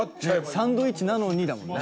サンドイッチなのにだもんね。